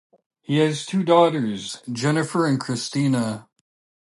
He has two daughters, Jennifer and Cristina.